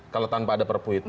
kalau tanpa ada perpu itu